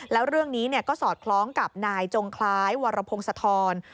แล้วเรื่องนี้ก็สอดคล้องกับนายจงคล้ายวรพงศธร